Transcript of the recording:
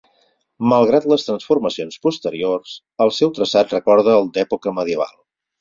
Malgrat les transformacions posteriors, el seu traçat recorda el d'època medieval.